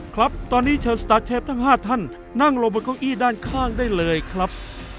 ครับตอนนี้เชิญสตาร์ทเชฟทั้ง๕ท่านนั่งลงบนเก้าอี้ด้านข้างได้เลยครับ